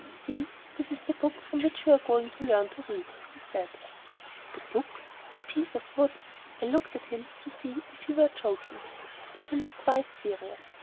"See, this is the book from which you are going to learn to read," he said. A book! A piece of wood! I looked at him to see if he were joking. But he looked quite serious.